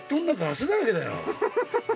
汗だらけだよ。